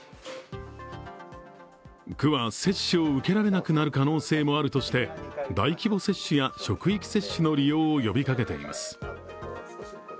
区は接種を受けられなくなる可能性もあるとして大規模接種や職域接種の利用を呼びかけています。